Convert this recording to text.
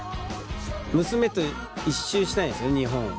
娘と一周したいんですよね日本を。